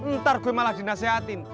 ntar gue malah dinaseatin